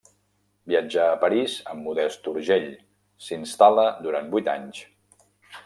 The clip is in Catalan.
Viatjà a París amb Modest Urgell, s'hi instal·la durant vuit anys.